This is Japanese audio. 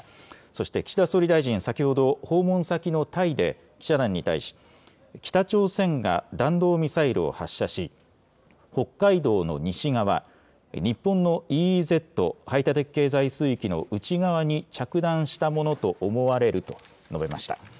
そして岸田総理大臣、先ほど訪問先のタイで記者団に対し北朝鮮が弾道ミサイルを発射し北海道の西側、日本のＥＥＺ・排他的経済水域の内側に着弾したものと思われると述べました。